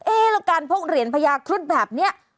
เอ๊ะแล้วกันพบเหรียญพญาครุศแบบนี้